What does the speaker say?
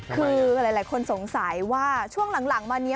คือหลายคนสงสัยว่าช่วงหลังมานี้